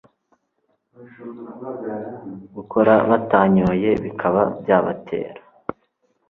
gukora batanyoye bikaba byabatera